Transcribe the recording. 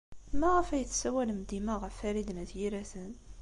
Maɣef ay tessawalem dima ɣef Farid n At Yiraten?